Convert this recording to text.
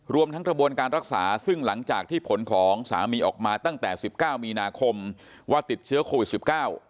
รวมทั้งกระบวนการรักษาซึ่งหลังจากที่ผลของสามีออกมาตั้งแต่สิบเก้ามีนาคมว่าติดเชื้อโควิดสิบเก้า